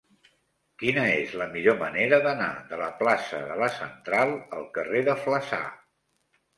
Quina és la millor manera d'anar de la plaça de la Central al carrer de Flaçà?